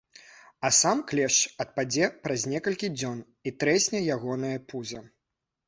А сам клешч адпадзе праз некалькі дзён, і трэсне ягонае пуза.